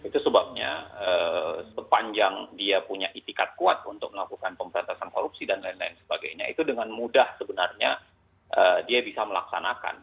itu sebabnya sepanjang dia punya itikat kuat untuk melakukan pemberantasan korupsi dan lain lain sebagainya itu dengan mudah sebenarnya dia bisa melaksanakan